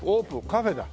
カフェだ。